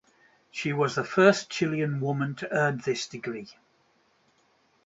She was the first Chilean woman to earn this degree.